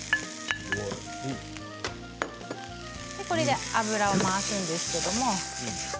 これで、油を回すんですけど。